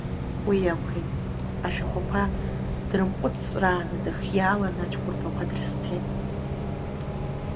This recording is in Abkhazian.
Уиакәхеит ашәахәақәа дрымҟәыҵҵәраан, дыхиааланы ацәқәырԥақәа дрызцеит.